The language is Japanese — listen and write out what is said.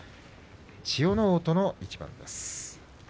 千代ノ皇との一番です。